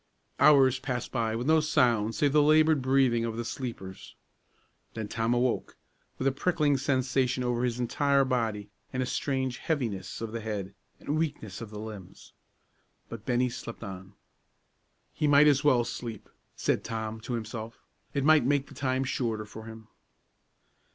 Hours passed by with no sound save the labored breathing of the sleepers. Then Tom awoke, with a prickling sensation over his entire body, and a strange heaviness of the head and weakness of the limbs; but Bennie slept on. "He might as well sleep," said Tom, to himself, "it'll make the time shorter for him."